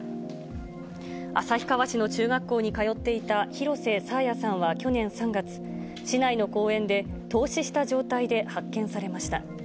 旭川市の中学校に通っていた廣瀬爽彩さんは去年３月、市内の公園で凍死した状態で発見されました。